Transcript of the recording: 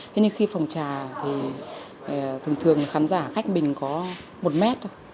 thế nhưng khi phòng trà thì thường thường khán giả cách bình có một mét thôi